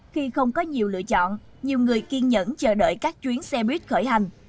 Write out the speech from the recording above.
khi không có nhiều lựa chọn nhiều người kiên nhẫn chờ đợi các chuyến xe buýt khởi hành